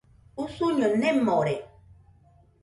Usuño nemore.